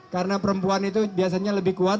karena perempuan itu biasanya lebih kuat